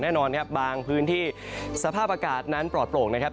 แน่นอนครับบางพื้นที่สภาพอากาศนั้นปลอดโปร่งนะครับ